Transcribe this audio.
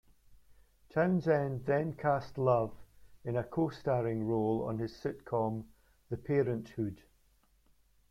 Townsend then cast Love in a co-starring role on his sitcom "The Parent 'Hood".